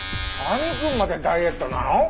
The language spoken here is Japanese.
亜美くんまでダイエットなの！？